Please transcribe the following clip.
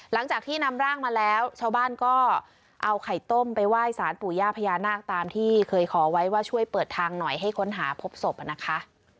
หลังจากที่นำร่างมาแล้วชาวบ้านก็เอาไข่ต้มไปไหว้สารปู่ย่าพญานาคตามที่เคยขอไว้ว่าช่วยเปิดทางหน่อยให้ค้นหาพบศพนะคะ